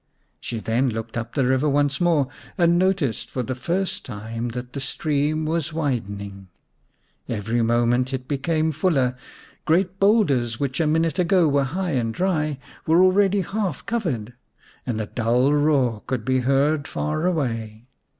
She then looked up the river once more and noticed for the first time that the stream was widening. Every moment it became fuller ; great boulders which a minute ago were high and dry were already half covered, and a dull roar could be heard far away.